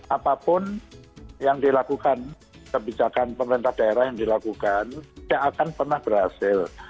apapun yang dilakukan kebijakan pemerintah daerah yang dilakukan tidak akan pernah berhasil